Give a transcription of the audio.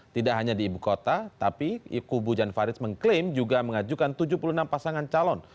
tidak hanya di ibu kota tapi kubu jan farid mengklaim juga mengajukan tujuh puluh enam pasangan calon